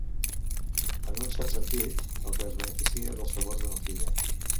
En un cert sentit, el que es beneficia dels favors de ma filla.